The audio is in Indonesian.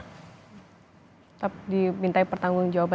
tetap dimintai pertanggung jawaban